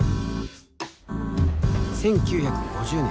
１９５０年